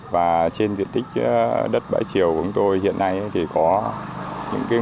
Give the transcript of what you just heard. và trên diện tích đất bãi triều của chúng tôi hiện nay thì có những nguồn lợi